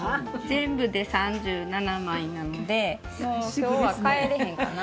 全部で３７枚なのでもう今日は帰れへんかな。